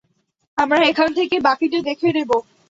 আমরা এখান থেকে বাকিটা দেখে নিব।